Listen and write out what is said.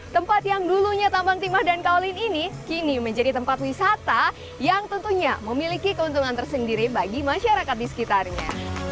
tempat yang dulunya tambang timah dan kaulin ini kini menjadi tempat wisata yang tentunya memiliki keuntungan tersendiri bagi masyarakat di sekitarnya